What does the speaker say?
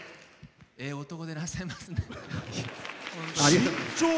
ええ男でらっしゃいますね。